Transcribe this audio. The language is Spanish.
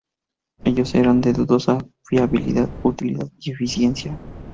Ellos eran de dudosa fiabilidad, utilidad y eficiencia.